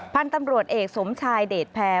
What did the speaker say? พันธุ์ตำรวจเอกสมชายเดชแพร